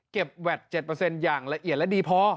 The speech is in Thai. แวด๗อย่างละเอียดและดีพอ